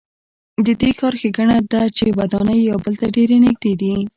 د دې ښار ښېګڼه ده چې ودانۍ یو بل ته ډېرې نږدې دي.